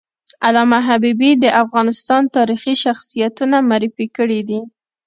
علامه حبیبي د افغانستان تاریخي شخصیتونه معرفي کړي دي.